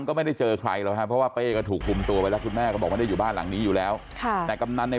ติดยาแล้วก็จะกินเหล้าคาวด้วย